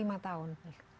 lima sampai sepuluh tahun